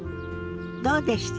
どうでした？